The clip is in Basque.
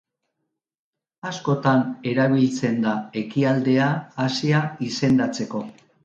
Askotan, erabiltzen da ekialdea Asia izendatzeko.